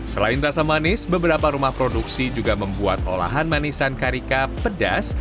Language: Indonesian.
selain rasa manis beberapa rumah produksi juga membuat olahan manisan karika pedas